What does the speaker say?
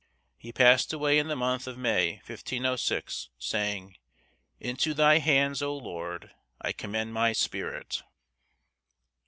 He passed away in the month of May, 1506, saying: "Into thy hands, O Lord, I commend my spirit."